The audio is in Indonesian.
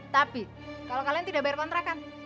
tapi kalau kalian tidak bayar kontra kan